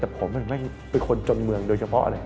แต่ผมมันแม่งเป็นคนจนเมืองโดยเฉพาะเลย